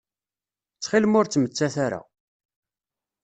Ttxil-m ur ttmettat ara.